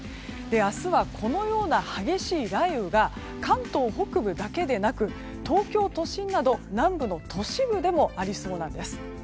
明日はこのような激しい雷雨が関東北部だけでなく東京都心など南部の都市部でもありそうなんです。